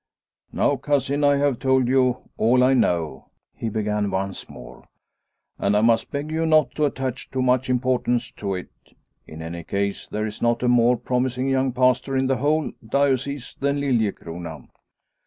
" Now, Cousin, I have told you all I know," he began once more, " and I must beg you not to attach too much importance to it. In any case there is not a more promising young pastor in the whole diocese than Liliecrona.